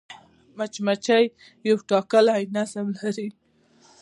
مچمچۍ یو ټاکلی نظم لري